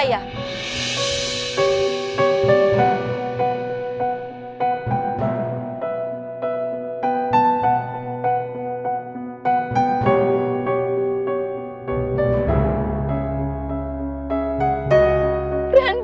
jangan masuk ke dalam tante